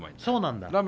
そうなんだ。